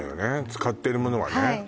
使ってるものはね